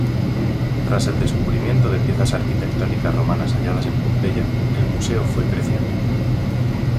Tras el descubrimiento de piezas arquitectónicas romanas halladas en Pompeya, el museo fue creciendo.